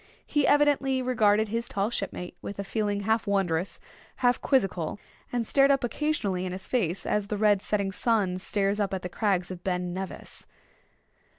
He evidently regarded his tall shipmate with a feeling half wondrous, half quizzical; and stared up occasionally in his face as the red setting sun stares up at the crags of Ben Nevis.